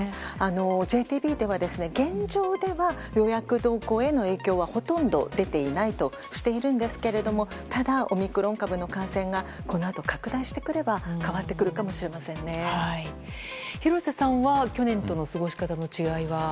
ＪＴＢでは現状では予約動向への影響はほとんど出ていないとしているんですがただ、オミクロン株の感染がこのあと拡大してくれば廣瀬さんは去年との過ごし方の違いは？